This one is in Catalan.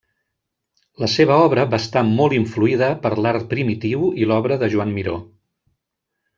La seva obra va estar molt influïda per l'art primitiu i l'obra de Joan Miró.